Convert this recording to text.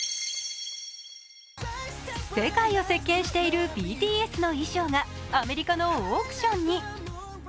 世界を席巻しているＢＴＳの衣装がアメリカのオークションに。